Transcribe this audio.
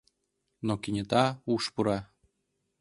Но кенета уш пура: